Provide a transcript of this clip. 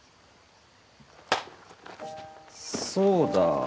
そうだ。